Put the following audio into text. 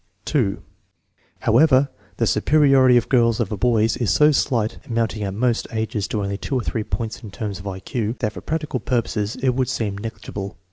1 2. However, the superiority of girls over boys is so slight (amounting at most ages to only 2 to 3 points in terms of I Q) that for practical purposes it would seem negligi ble.